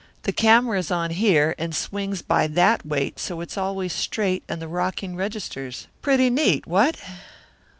The camera is on here and swings by that weight so it's always straight and the rocking registers. Pretty neat, what?"